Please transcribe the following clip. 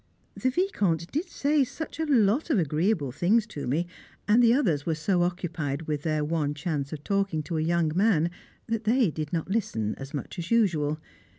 The Vicomte did say such a lot of agreeable things to me, and the others were so occupied with their one chance of talking to a young man that they did not listen as much as usual.